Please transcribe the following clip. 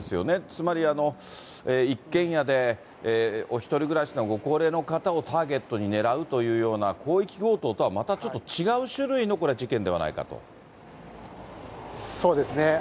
つまり一軒家で、お１人暮らしのご高齢の方をターゲットに狙うというような広域強盗とはまたちょっと違う種類のこれ、そうですね。